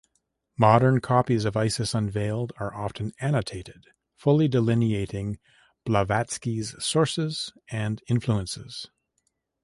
Modern copies of "Isis Unveiled" are often annotated, fully delineating Blavatsky's sources and influences.